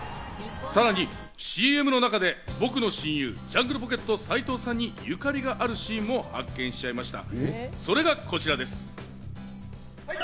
さらにＣＭの中で僕の親友、ジャングルポケット・斉藤さんにゆかりがあるシーンも発見しちゃいました。